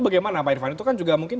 bagaimana pak irfan itu kan juga mungkin